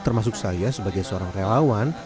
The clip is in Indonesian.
termasuk saya sebagai seorang relawan